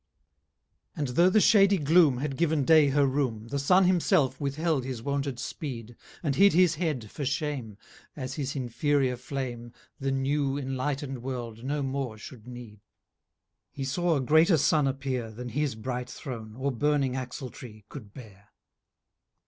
VII And though the shady gloom Had given day her room, The Sun himself with held his wonted speed, And hid his head for shame, 80 As his inferior flame, The new enlightened world no more should need; He saw a greater Sun appear Then his bright Throne, or burning Axletree could bear.